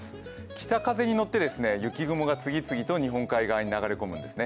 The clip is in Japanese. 北風にのって雪雲が次々と日本海側に流れ込むんですね。